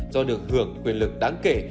do được hưởng quyền lực đáng kể